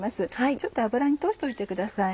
ちょっと油に通しておいてください。